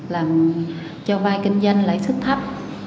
làm cho vai kinh doanh lãi suất thấp